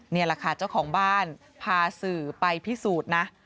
นี่แหละค่ะเจ้าของบ้านพาสื่อไปพิสูจน์นะ